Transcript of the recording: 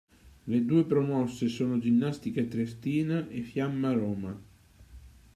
Le due promosse sono Ginnastica Triestina e Fiamma Roma.